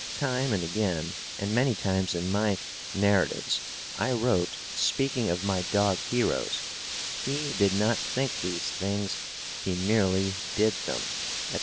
Time and again, and many times, in my narratives, I wrote, speaking of my dog heroes: "He did not think these things; he merely did them," etc.